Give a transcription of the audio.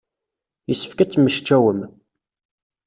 Yessefk ad temmecčawem.